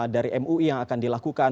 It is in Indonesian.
dari mui yang akan dilakukan